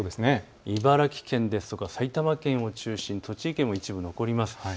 茨城県ですとか埼玉県を中心に栃木県も一部残ります。